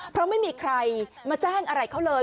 เพราะไม่มีใครมาแจ้งอะไรเขาเลย